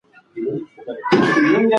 کمپيوټر وخت سپموي.